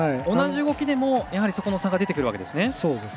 同じ動きでもそこの差が出てくるんですね。